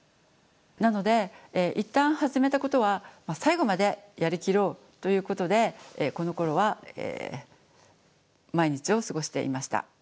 なのでいったん始めたことは最後までやりきろうということでこのころは毎日を過ごしていました。